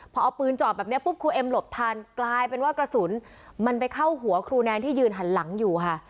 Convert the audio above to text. พอเอาปืนจอดแบบนี้ปุ๊บครูเอ็มหลบทันกลายเป็นว่ากระสุนมันไปเข้าหัวครูแนนที่ยืนหันหลังอยู่ค่ะ